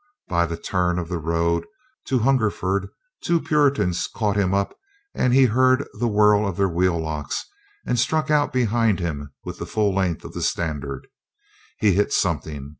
By the turn of the road to Hungerford two of the Puritans caught him up and he heard the whirr of their wheel locks and struck out behind him with the full length of the standard. He hit something.